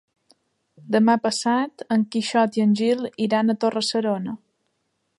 Demà passat en Quixot i en Gil iran a Torre-serona.